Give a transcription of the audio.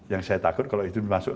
yang saya takut kalau itu masuk